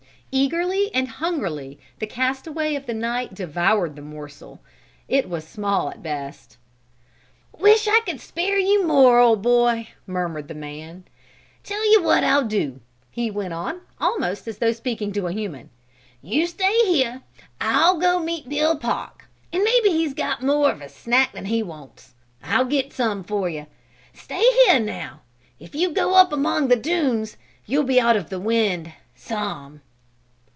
Eagerly and hungrily the castaway of the night devoured the morsel it was small at best. "Wish I could spare you more, old boy!" murmured the man. "Tell you what I'll do," he went on, almost as though speaking to a human. "You stay here. I'll go meet Bill Park, and maybe he's got more of a snack than he wants. I'll get some for you. Stay here now. If you go up among the dunes you'll be out of the wind some."